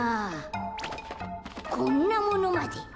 こんなものまで。